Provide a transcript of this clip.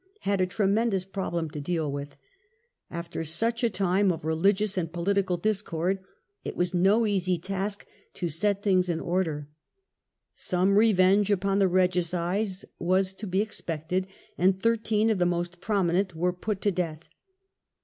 «^ had a tremendous problem to deal with. The Restora ._,•.%...,^•• t tion Settle After such a time of religious and political ment, 1660. discord it was no easy task to set things in order. Some revenge upon the regicides was to be ex pected, and thirteen of the most prominent were put to death.